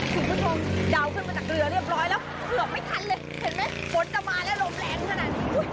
คุณผู้ชมเดาขึ้นมาจากเรือเรียบร้อยแล้วเกือบไม่ทันเลยเห็นไหมฝนจะมาแล้วลมแรงขนาดนี้